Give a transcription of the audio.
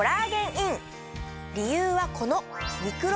理由はこの。